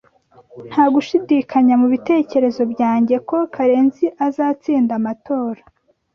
Nta gushidikanya mubitekerezo byanjye ko Karenzi azatsinda amatora.